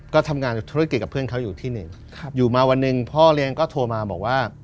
ก็ทำงานธุรกิจกับเพื่อนเขาอยู่ที่หนึ่งอยู่มาวันหนึ่งพ่อเลี้ยงก็โทรมาบอกว่า